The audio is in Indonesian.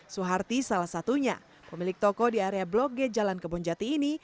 suharti salah satunya pemilik toko di area blok g jalan kebonjati ini